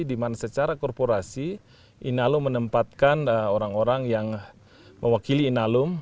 dimana secara korporasi inalum menempatkan orang orang yang mewakili inalum